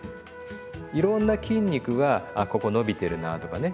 いろんな筋肉があここ伸びてるなとかね